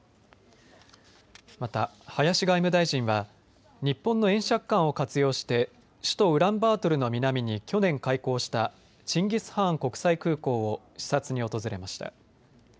また、林外務大臣は日本の円借款を活用して首都ウランバートルの南に去年、開港したチンギスハーン国際空港を視察に訪れました。